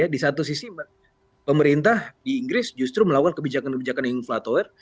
di satu sisi pemerintah di inggris justru melakukan kebijakan kebijakan inflator